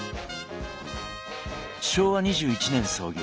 昭和２１年創業。